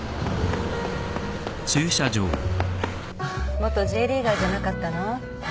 元Ｊリーガーじゃなかったの？